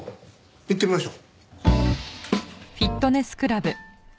行ってみましょう。